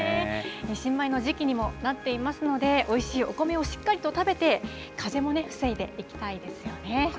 新米の時期にもなっていますので、おいしいお米をしっかりと食べて、かぜも防いでいきたいですよね。